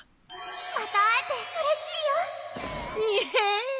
また会えてうれしいよ！にへ！